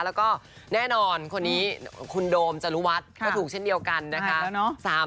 แล้วก็แน่นอนคนนี้คุณโดมจรุวัฒน์ก็ถูกเช่นเดียวกันนะคะ